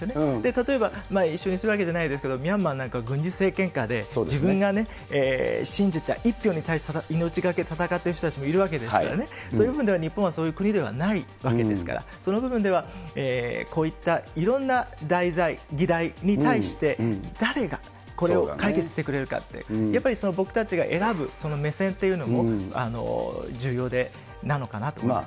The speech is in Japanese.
例えば、一緒にするわけじゃないですけれども、ミャンマーなんかは軍事政権下で、自分がね、信じた一票の差が、命懸けで戦っている人たちもいるわけですからね、そういう部分では日本はそういう国ではないわけですから、その部分ではこういったいろんな題材、議題に対して、誰がこれを解決してくれるかって、やっぱり僕たちが選ぶ、その目線っていうのも重要なのかなと思います。